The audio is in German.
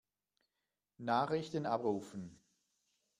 Nachrichten abrufen.